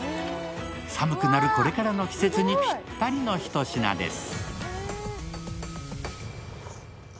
寒くなるこれからの季節にぴったりのひと品です。